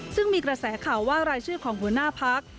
ซึ่งมีกระแสข่าวว่ารายชื่อของหัวหน้าพัก